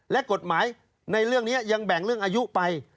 และกฎหมายในเรื่องนี้ยังแบ่งเรื่องอายุไป